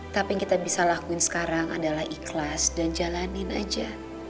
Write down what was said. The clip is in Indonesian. tapi yang kita bisa lakuin sekarang adalah ikhlas dan jalanin aja